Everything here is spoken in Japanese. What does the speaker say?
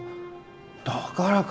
だからか。